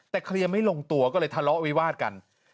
แต่เคลียร์ไม่ลงตัวก็เลยทะเลาะวิวาดกัน